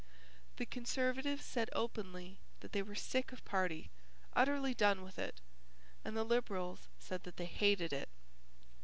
The Conservatives said openly that they were sick of party, utterly done with it, and the Liberals said that they hated it.